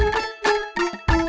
saya kenaedah semata mata